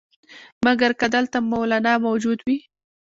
مګر که دلته مولنا موجود وي.